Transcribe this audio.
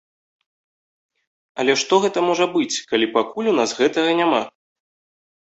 Але што гэта можа быць, калі пакуль у нас гэтага няма?